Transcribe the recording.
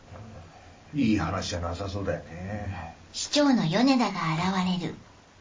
いい話じゃなさそうだよね。